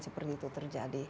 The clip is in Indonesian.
seperti itu terjadi